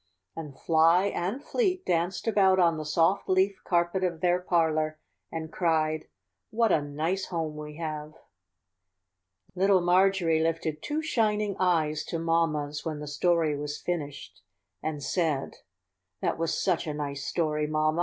"And Fly and Fleet danced about on the soft leaf carpet of their parlor, and cried: 'What a nice home we have'! " Little Marjorie lifted two shining eyes to mamma's when the story was finished, and said: "That was such a nice story, mamma.